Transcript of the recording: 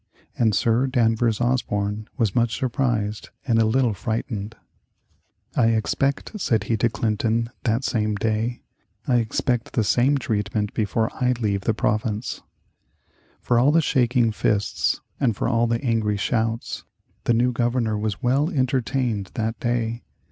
And Sir Danvers Osborne was much surprised and a little frightened. "I expect," said he to Clinton that same day, "I expect the same treatment before I leave the province," For all the shaking fists and for all the angry shouts, the new Governor was well entertained that day.